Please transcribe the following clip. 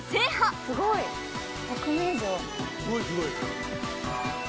すごいすごい。